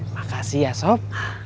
makasih ya sob